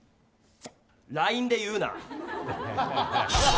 ＬＩＮＥで言うな！